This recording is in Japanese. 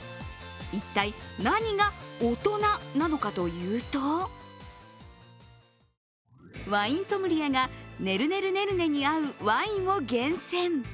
一体何が大人なのかというとワインソムリエがねるねるねるねに合うワインを厳選。